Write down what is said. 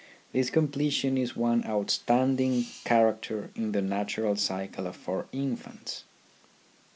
This completion is one outstanding character in the natural cycle for infants.